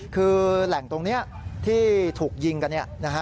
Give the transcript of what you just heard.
คือแหล่งตรงนี้ที่ถูกยิงกัน